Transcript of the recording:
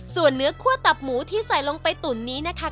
ส่วนเนื้อคั่วตับหมูที่ใส่ลงไปตุ๋นนี้นะคะ